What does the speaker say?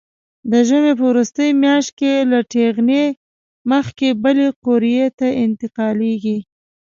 د ژمي په وروستۍ میاشت کې له ټېغنې مخکې بلې قوریې ته انتقالېږي.